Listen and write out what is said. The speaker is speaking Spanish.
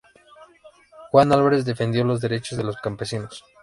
Juan Álvarez defendió los derechos de los campesinos.